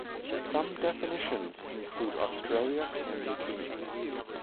Some definitions include Australia and New Guinea.